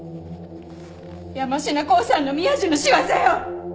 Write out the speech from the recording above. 山科興産の宮地の仕業よ！